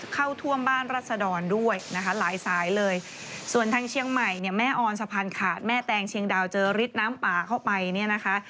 เข้าท่วมบ้านรัศดรด้วยนะคะหลายสายเลยส่วนทางเชียงใหม่เนี่ยแม่ออนสะพานขาดแม่แตงเชียงดาวเจอฤทธิน้ำป่าเข้าไปเนี่ยนะคะ